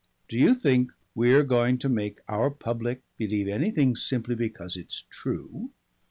"Do you think we're going to make our public believe anything simply because it's true?